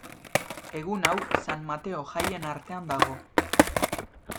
Egun hau San Mateo jaien artean dago.